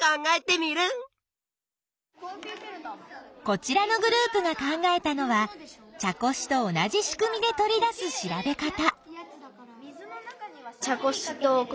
こちらのグループが考えたのは茶こしと同じ仕組みで取り出す調べ方。